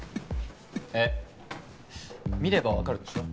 えっ？見れば分かるでしょ